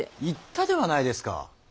言ったではないですか。